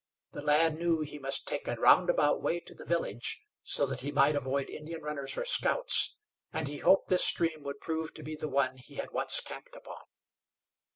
The lad knew he must take a roundabout way to the village so that he might avoid Indian runners or scouts, and he hoped this stream would prove to be the one he had once camped upon.